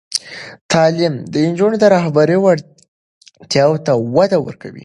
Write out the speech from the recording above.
تعلیم د نجونو د رهبري وړتیاوو ته وده ورکوي.